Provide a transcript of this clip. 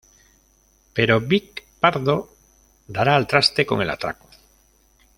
Pero Vic Pardo dará al traste con el atraco.